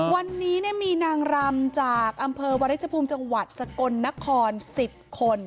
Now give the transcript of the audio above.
วันนี้มีนางรำจากอำเภอวริชภูมิจังหวัดสกลนคร๑๐คน